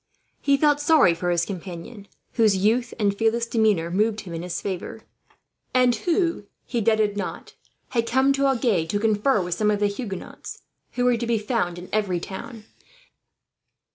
He felt sorry for his companion, whose youth and fearless demeanour moved him in his favour; and who, he doubted not, had come to Agen to confer with some of the Huguenots, who were to be found in every town.